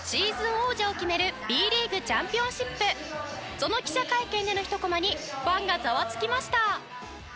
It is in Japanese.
その記者会見でのひとコマにファンがザワつきました。